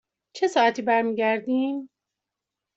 چه ساعتی برمی گردیم؟